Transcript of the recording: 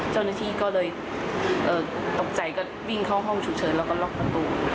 เจ้าหน้าที่ก็เลยตกใจก็วิ่งเข้าห้องฉุกเฉินแล้วก็ล็อกประตู